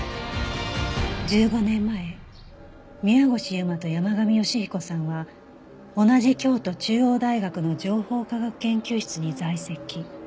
１５年前宮越優真と山神芳彦さんは同じ京都中央大学の情報科学研究室に在籍